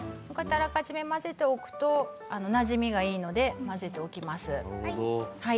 あらかじめ混ぜておくとなじみがいいので混ぜておきます。